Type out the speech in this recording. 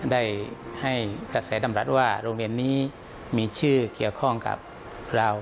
ได้ให้กระแสดำรัฐว่าโรงเรียนนี้มีชื่อเกี่ยวข้องกับเรา